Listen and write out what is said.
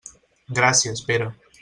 Gràcies, Pere.